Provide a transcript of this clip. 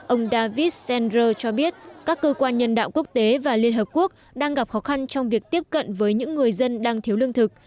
ông david schengders cho biết các cơ quan nhân đạo quốc tế và liên hợp quốc đang gặp khó khăn trong việc tiếp cận với những người dân đang thiếu lương thực